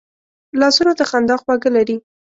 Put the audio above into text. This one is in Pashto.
لاسونه د خندا خواږه لري